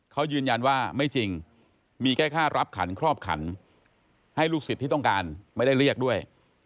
เขายืนยันว่าไม่จริงมีแค่ค่ารับขันครอบขันให้ลูกศิษย์ที่ต้องการไม่ได้เรียกด้วย